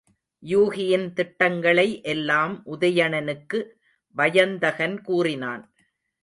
யூகியின் திட்டங்களை எல்லாம் உதயணனுக்கு வயந்தகன் கூறினான்.